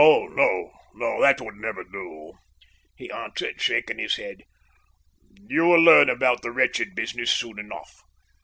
"No, no, that would never do," he answered, shaking his head. "You will learn about the wretched business soon enough.